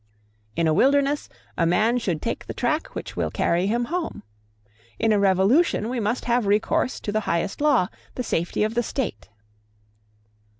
In a wilderness a man should take the track which will carry him home. In a revolution we must have recourse to the highest law, the safety of the state."